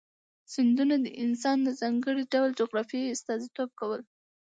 سیندونه د افغانستان د ځانګړي ډول جغرافیه استازیتوب کوي.